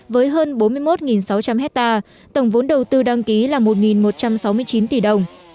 với hơn bốn mươi một sáu trăm linh hectare tổng vốn đầu tư đăng ký là một một trăm sáu mươi chín tỷ đồng